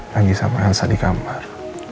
lagi sama elsa di kamar